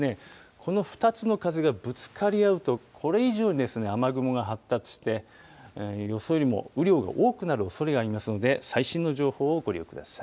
この２つの風がぶつかり合うと、これ以上雨雲が発達して、予想よりも雨量が多くなるおそれがありますので、最新の情報をご利用ください。